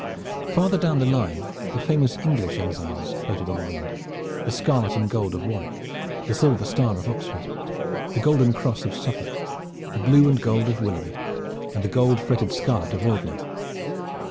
Farther down the line the famous English ensigns floated on the wind, the scarlet and gold of Warwick, the silver star of Oxford, the golden cross of Suffolk, the blue and gold of Willoughby, and the gold fretted scarlet of Audley.